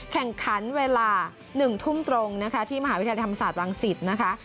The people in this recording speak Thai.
แข่งขันเวลา๑ทุ่มตรงนะคะที่มหาวิทยาลัยธรรมศาสตร์วังศิษย์นะคะ